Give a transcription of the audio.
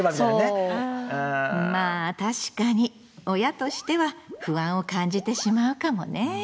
まあ確かに親としては不安を感じてしまうかもね。